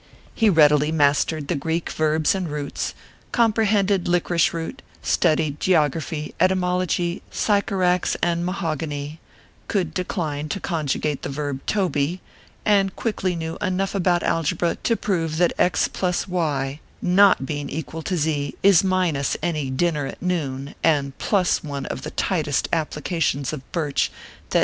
He readily mastered the Greek verbs and roots, comprehended liquorice root, studied geography, etymology, sycorax, and mahogany ; could decline to conjugate the verb toby, and quickly knew enough about, algebra to prove that X plus Y, not being equal to Z, is minus any dinner at noon, and plus one of the tightest applications of birch that ORPHEUS C.